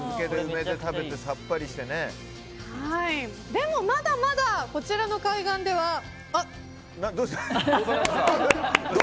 でも、まだまだこちらの海岸では、あっ。